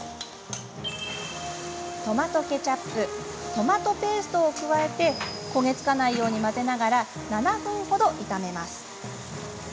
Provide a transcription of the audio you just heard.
トマトケチャップトマトペーストを加えて焦げ付かないように混ぜながら７分ほど炒めます。